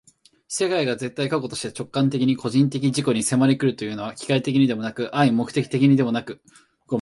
世界が絶対過去として直観的に個人的自己に迫り来るというのは、機械的にでもなく合目的的にでもなく、